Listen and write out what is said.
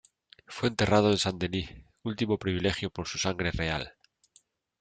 Fue enterrado en Saint-Denis, último privilegio por su sangre real.